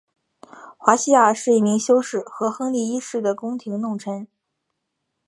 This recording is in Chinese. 华西亚是一名修士和亨利一世的宫廷弄臣。